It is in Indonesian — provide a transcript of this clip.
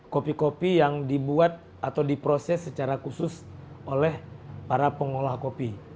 kopi kopi yang dibuat atau diproses secara khusus oleh para pengolah kopi